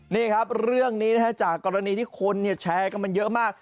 นี่ครับเรื่องนี้จากกรณีที่คนแชร์กันมันเยอะมาก